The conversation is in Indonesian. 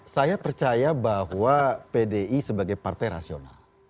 saya percaya bahwa pdi sebagai partai rasional